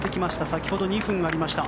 先ほどは２分ありました。